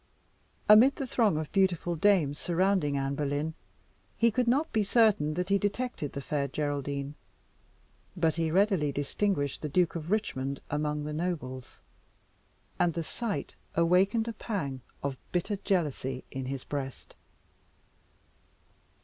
Amid the throng of beautiful dames surrounding Anne Boleyn he could not be certain that he detected the Fair Geraldine; but he readily distinguished the Duke of Richmond among the nobles, and the sight awakened a pang of bitter jealousy in his breast.